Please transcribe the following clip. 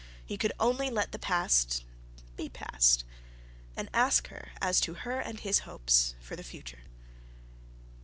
He could only let the past be past, and ask her as to her and his hopes for the future.